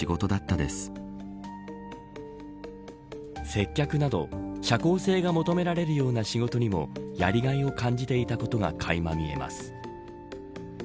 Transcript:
接客など社交性が求められるような仕事にもやりがいを感じていたことがかいま見えます。